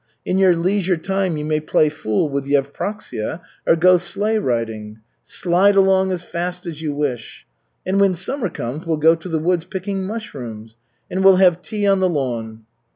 In your leisure time you may play fool with Yevpraksia, or go sleigh riding slide along as fast as you wish. And when summer comes we'll go to the woods picking mushrooms. And we'll have tea on the lawn."